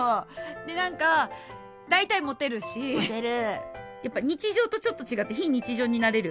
で何か大体モテるし日常とちょっと違って非日常になれる手軽に。